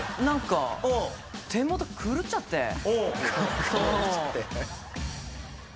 何か手元狂っちゃって。